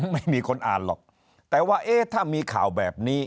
ไม่มีคนอ่านหรอกแต่ว่าเอ๊ะถ้ามีข่าวแบบนี้